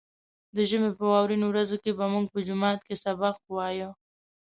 د ژمي په واورينو ورځو کې به موږ په جومات کې سبق وايه.